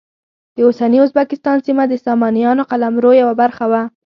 د اوسني ازبکستان سیمه د سامانیانو قلمرو یوه برخه وه.